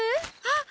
あっ！